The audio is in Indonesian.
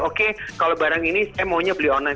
oke kalau barang ini saya maunya beli online